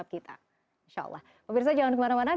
terkait bagaimana kita harus memanfaatkan itu